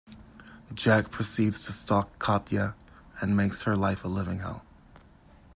Jack proceeds to stalk Katya and makes her life a living hell.